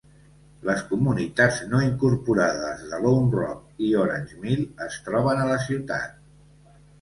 Les comunitats no incorporades de Lone Rock i Orange Mill es troben a la ciutat.